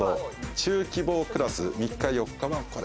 中規模クラス、３日４日はこれ。